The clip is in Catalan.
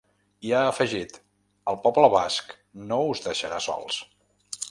I ha afegit: El poble basc no us deixarà sols.